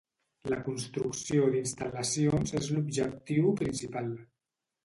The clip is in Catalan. La construcció d'instal·lacions és l'objectiu principal.